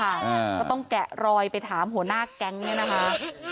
อ่าก็ต้องแกะรอยไปถามหัวหน้าแก๊งเนี่ยนะคะ